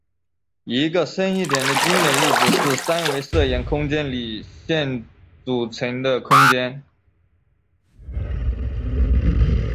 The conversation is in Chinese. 一个深一点的经典例子是三维射影空间里线组成的空间。